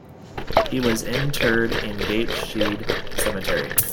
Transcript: He was interred in Gateshead Cemetery.